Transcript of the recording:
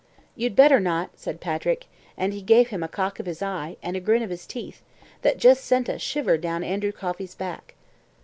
"You'd better not," said Patrick, and he gave him a cock of his eye, and a grin of his teeth, that just sent a shiver down Andrew Coffey's back.